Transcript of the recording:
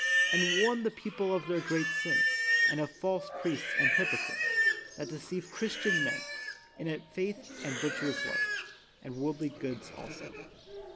And warn the people of their great sins, and of false priests and hypocrites, that deceive Christian men, in faith and virtuous life, and worldly goods also.